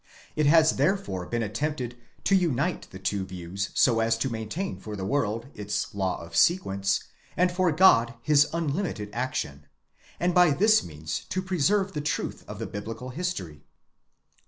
It has therefore been attempted to unite the two views so as to maintain for the world its law of sequence, and for God his unlimited action, and by this means to preserve the truth of the biblical history.